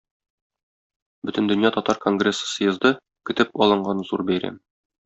Бөтендөнья татар конгрессы съезды - көтеп алынган зур бәйрәм.